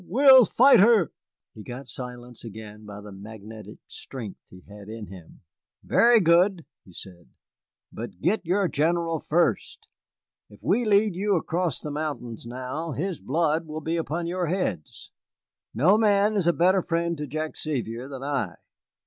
We'll fight her!" He got silence again by the magnetic strength he had in him. "Very good," he said, "but get your General first. If we lead you across the mountains now, his blood will be upon your heads. No man is a better friend to Jack Sevier than I.